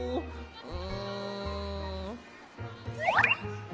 うん。